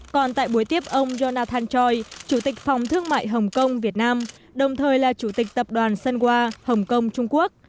còn tại buổi tiếp ông jonathan choi chủ tịch phòng thương mại hồng kông việt nam đồng thời là chủ tịch tập đoàn sunwa hồng kông trung quốc